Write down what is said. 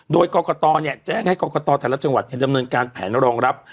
โดยกรกตเนี่ยแจ้งให้กรกตแต่ละจังหวัดเนี่ยจำนวนการแผนรองรับ